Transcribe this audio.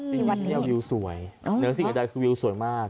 ที่วันนี้วิวสวยเนื้อสิ่งอันดับคือวิวสวยมาก